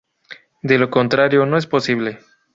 De lo contrario no es posible.